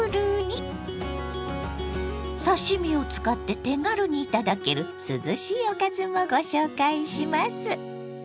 刺身を使って手軽に頂ける涼しいおかずもご紹介します。